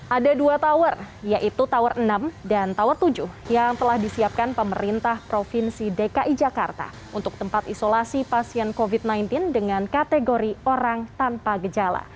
ada dua tower yaitu tower enam dan tower tujuh yang telah disiapkan pemerintah provinsi dki jakarta untuk tempat isolasi pasien covid sembilan belas dengan kategori orang tanpa gejala